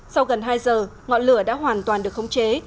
sau gần hai giờ ngọn lửa đã hoàn toàn được khống chế